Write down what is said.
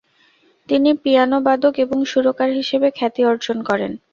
তিনি পিয়ানোবাদক এবং সুরকার হিসাবে খ্যাতি অর্জন করেন।